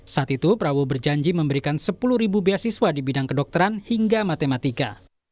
saat itu prabowo berjanji memberikan sepuluh beasiswa di bidang kedokteran hingga matematika